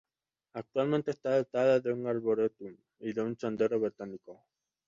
Actualmente está dotado de un arboretum y de un sendero botánico.